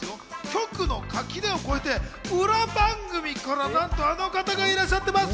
局の垣根を越えて、裏番組から何とあの方がいらっしゃってます。